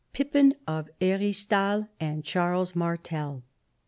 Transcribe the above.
PIPPIN OF HERISTAL AND CHARLES MARTEL.